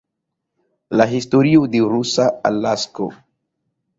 La historio de rusa Alasko.